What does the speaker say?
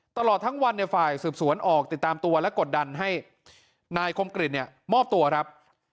ตลอดทั้งวันฝ่ายสืบสวนออกติดตามตัวและกดดันให้นายคมกริจเนี่ยมอบตัวครับ